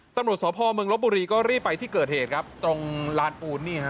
ตำรวจสพเมืองลบบุรีก็รีบไปที่เกิดเหตุครับตรงลานปูนนี่ฮะ